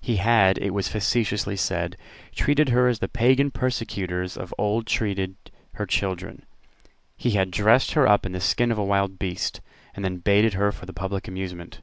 He had, it was facetiously said, treated her as the Pagan persecutors of old treated her children. He had dressed her up in the skin of a wild beast, and then baited her for the public amusement.